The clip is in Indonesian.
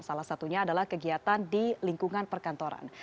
salah satunya adalah kegiatan di lingkungan perkantoran